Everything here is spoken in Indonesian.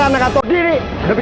jangan pergi pak